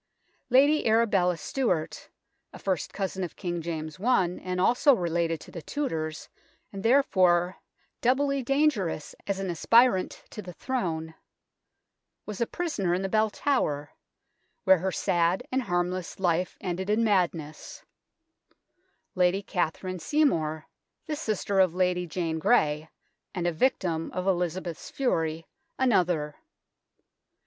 Lady Arabella Stuart, a first cousin of King James I and also related to the Tudors, and therefore doubly dangerous as an aspirant to the Throne, was a prisoner in the Bell Tower, where her sad and harmless life ended in madness ; Lady Catherine Seymour, the sister of Lady Jane Grey, and a victim of Elizabeth's fury, another.